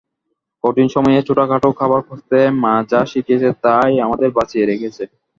কঠিন সময়ে ছোটখাটো খাবার খুঁজতে মা যা শিখিয়েছে তাই আমাদের বাঁচিয়ে রেখেছে।